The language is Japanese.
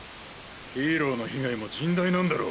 ヒーローの被害も甚大なんだろ？